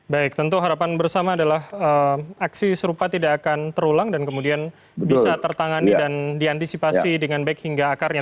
baik tentu harapan bersama adalah aksi serupa tidak akan terulang dan kemudian bisa tertangani dan diantisipasi dengan baik hingga akarnya